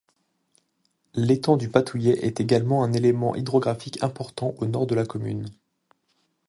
L'étang du Patouillet est également un élément hydrographique important au Nord de la commune.